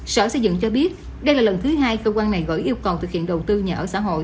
sở xây dựng cho biết đây là lần thứ hai cơ quan này vẫn yêu cầu thực hiện đầu tư nhà ở xã hội